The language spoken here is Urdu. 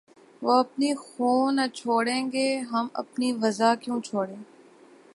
وہ اپنی خو نہ چھوڑیں گے‘ ہم اپنی وضع کیوں چھوڑیں!